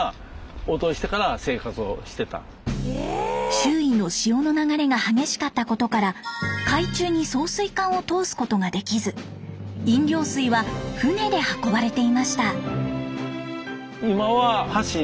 周囲の潮の流れが激しかったことから海中に送水管を通すことができず飲料水は船で運ばれていました。